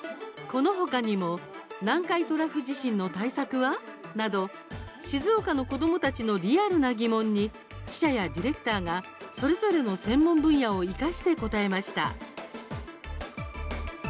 このほかにも南海トラフ地震の対策は？など静岡の子どもたちのリアルな疑問に記者やディレクターがそれぞれの専門分野を生かして応えました。